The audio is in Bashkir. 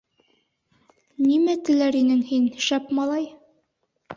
Нимә теләр инең һин, шәп малай?